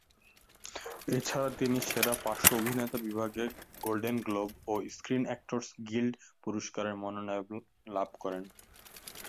এছাড়া তিনি সেরা পার্শ্ব অভিনেত্রী বিভাগে গোল্ডেন গ্লোব ও স্ক্রিন অ্যাক্টরস গিল্ড পুরস্কারের মনোনয়ন লাভ করেন।